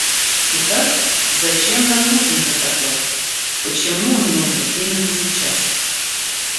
Итак, зачем нам нужен этот доклад, почему он нужен именно сейчас?